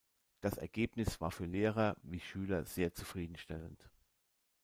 Das Ergebnis war für Lehrer wie Schüler sehr zufriedenstellend.